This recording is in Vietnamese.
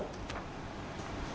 phòng cảnh sát hình sự